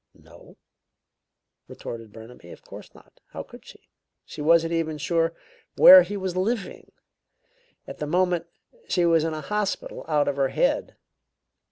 "No," retorted Burnaby, "of course not. How could she? She wasn't even sure where he was living. At the moment she was in a hospital out of her head.